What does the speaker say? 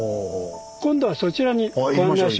今度はそちらにご案内します。